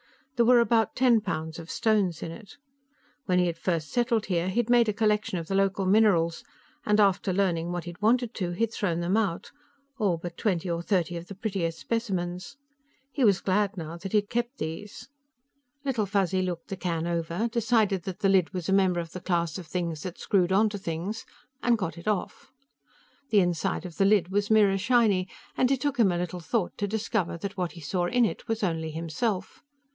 There were about ten pounds of stones in it. When he had first settled here, he had made a collection of the local minerals, and, after learning what he'd wanted to, he had thrown them out, all but twenty or thirty of the prettiest specimens. He was glad, now, that he had kept these. Little Fuzzy looked the can over, decided that the lid was a member of the class of things that screwed onto things and got it off. The inside of the lid was mirror shiny, and it took him a little thought to discover that what he saw in it was only himself.